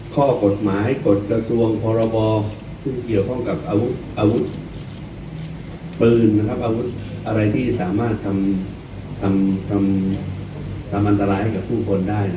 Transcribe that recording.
ข้อกฎหมายกฎกระทรวงพรบที่เกี่ยวข้องกับอาวุธปืนอาวุธอะไรที่สามารถทำอันตรายให้กับผู้คนได้